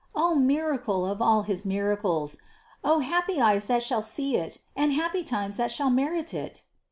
O miracle of all his miracles! O happy eyes that shall see it and happy times that shall merit it!"